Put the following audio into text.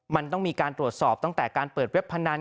มันต้องมีการตรวจสอบตั้งแต่การเปิดเว็บพนัน